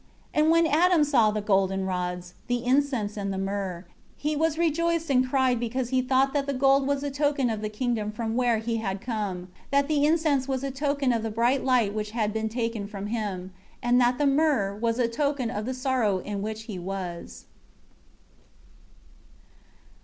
10 And when Adam saw the golden rods, the incense and the myrrh, he was rejoiced and cried because he thought that the gold was a token of the kingdom from where he had come, that the incense was a token of the bright light which had been taken from him, and that the myrrh was a token of the sorrow in which he was.